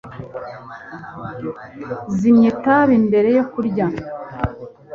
Zimya itabi mbere yo kurya.